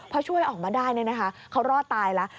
พอช่วยออกมาได้เขารอดตายแล้ว